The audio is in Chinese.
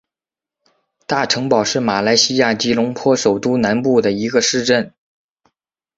大城堡是马来西亚吉隆坡首都南部的一个市镇。